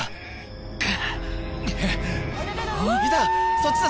そっちだ